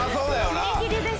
ギリギリです。